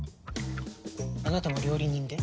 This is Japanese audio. あなたも料理人で？